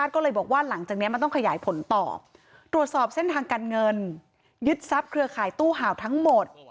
ก็เลยบอกว่าหลังจากนี้มันต้องขยายผลต่อตรวจสอบเส้นทางการเงินยึดทรัพย์เครือข่ายตู้ห่าวทั้งหมด